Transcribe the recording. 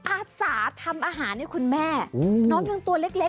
อาสาทำอาหารให้คุณแม่น้องยังตัวเล็ก